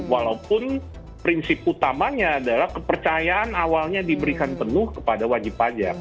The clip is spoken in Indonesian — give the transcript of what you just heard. walaupun prinsip utamanya adalah kepercayaan awalnya diberikan penuh kepada wajib pajak